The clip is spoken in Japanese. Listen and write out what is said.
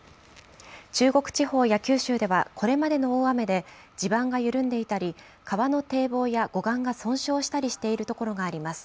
中国地方や九州では、これまでの大雨で地盤が緩んでいたり、川の堤防や護岸が損傷したりしているところがあります。